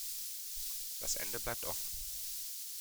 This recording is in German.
Das Ende bleibt offen.